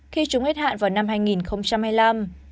khi chúng hết hạn vào năm hai nghìn hai mươi năm